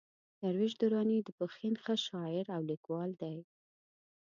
درویش درانی د پښين ښه شاعر او ليکوال دئ.